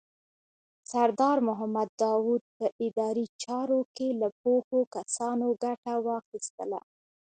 سردار محمد داود په اداري چارو کې له پوهو کسانو ګټه واخیستله.